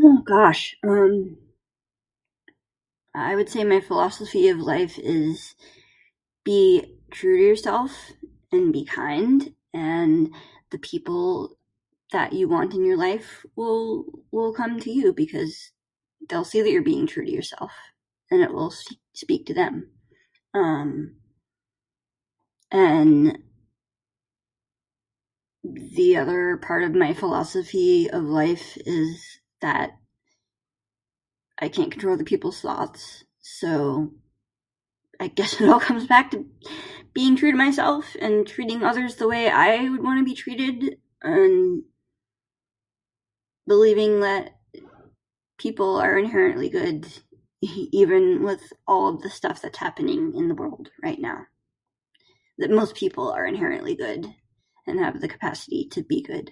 Oh gosh, um... I would say my philosophy of life is be true to yourself and be kind, and the people that you want in your life will, will come to you, because they'll see that you're being true to yourself and it will speak to them. Um, and the other part of my philosophy of life is that I can't control the people's thoughts. So, I guess it all comes back to being true to myself and treating others the way I would wanna be treated and believing that people are inherently good, even with all the stuff that's happening in the world right now. That most people are inherently good and have the capacity to be good.